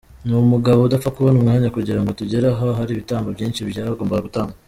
Ni umugabo udapfa kubona umwanya kugira ngo tugere aha hari ibitambo byinshi byagombaga gutangwa.